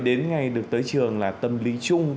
đến ngày được tới trường là tâm lý chung